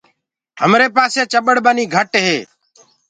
همري پآسي چڀڙ ٻني گھٽ هي۔